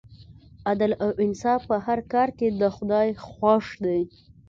عدل او انصاف په هر کار کې د خدای خوښ دی.